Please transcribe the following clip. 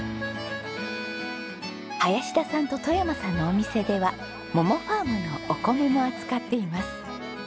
林田さんと外山さんのお店ではｍｏｍｏｆａｒｍのお米も扱っています。